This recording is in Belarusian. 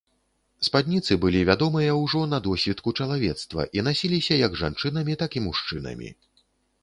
Спадніцы былі вядомыя ўжо на досвітку чалавецтва і насіліся як жанчынамі, так і мужчынамі.